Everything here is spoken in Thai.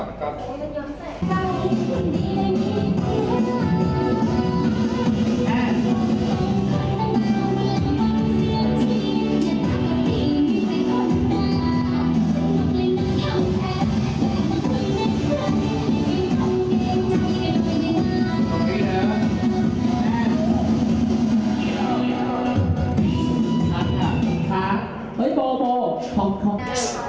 สุดท้ายก็ไม่มีเวลาที่จะรักกับที่อยู่ในภูมิหน้า